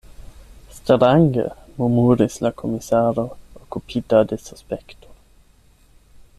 Strange, murmuris la komisaro okupita de suspekto.